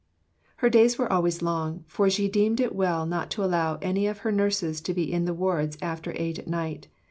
Her days were always long; for she deemed it well not to allow any of her nurses to be in the wards after eight at night.